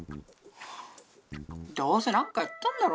どうせ何かやったんだろ？